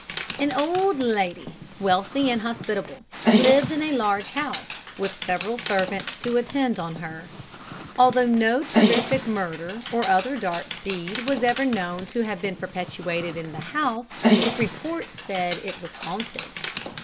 An old lady, wealthy and hospitable, lived in a large house, with several servants to attend on her. Although no terrific murder or other dark deed was ever known to have been perpetrated in the house, report said it was haunted.